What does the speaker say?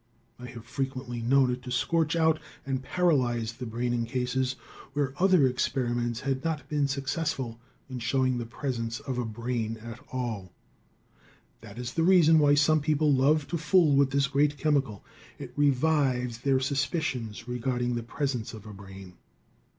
I have frequently known it to scorch out and paralyze the brain in cases where other experiments had not been successful in showing the presence of a brain at all. [Illustration: THINKING ABOUT THE POEM.] That is the reason why some people love to fool with this great chemical. It revives their suspicions regarding the presence of a brain.